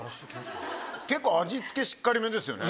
結構味付けしっかりめですよね。